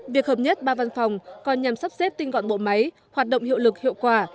việc hợp nhất ba văn phòng còn nhằm sắp xếp tinh gọn bộ máy hoạt động hiệu lực hiệu quả